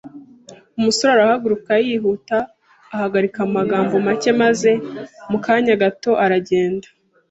Umusore arahaguruka yihuta, ahagarika amagambo make maze mu kanya gato aragenda.